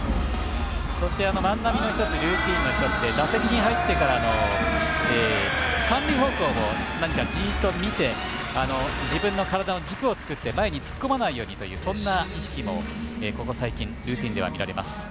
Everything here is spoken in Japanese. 万波のルーティンの一つで打席に入ってから三塁方向をじーっと見て自分の体の軸を作って前に突っ込まないようにというのもここ最近、ルーティンで見られます。